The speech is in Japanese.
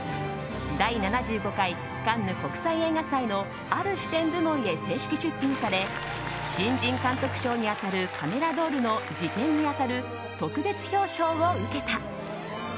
第７５回カンヌ国際映画祭の「ある視点」部門へ正式出品され新人監督賞に当たるカメラドールの次点に当たる特別表彰を受けた。